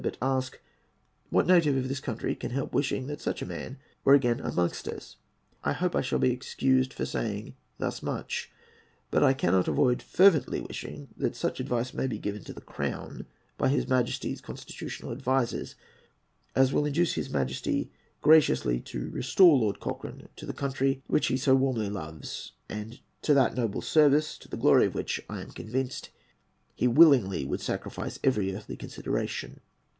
But ask, what native of this country can help wishing that such a man were again amongst us? I hope I shall be excused for saying thus much; but I cannot avoid fervently wishing that such advice may be given to the Crown by his Majesty's constitutional advisers as will induce his Majesty graciously to restore Lord Cochrane to the country which he so warmly loves, and to that noble service to the glory of which, I am convinced, he willingly would sacrifice every earthly consideration."